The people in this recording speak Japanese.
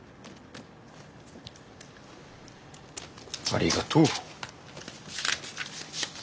ありがとう。